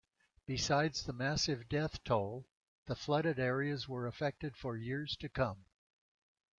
Besides the massive death toll, the flooded areas were affected for years to come.